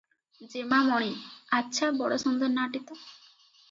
"ଯେମାମଣି! ଆଚ୍ଛା ବଡ ସୁନ୍ଦର ନାଁ ଟି ତ?